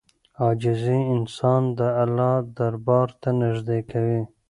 عاجزي انسان د الله دربار ته نږدې کوي.